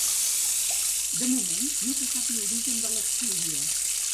De moment no se sap l’origen de l’explosió.